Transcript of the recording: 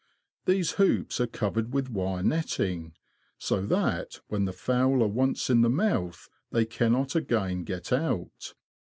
These hoops are covered with wire netting, so that, when the fowl are once in the mouth, they cannot again get out.